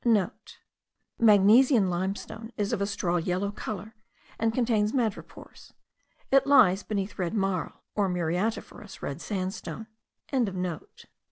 (* Magnesian limestone is of a straw yellow colour, and contains madrepores: it lies beneath red marl, or muriatiferous red sandstone.)